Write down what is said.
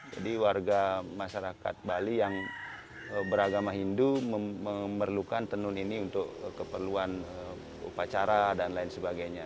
jadi warga masyarakat bali yang beragama hindu memerlukan tenun ini untuk keperluan upacara dan lain sebagainya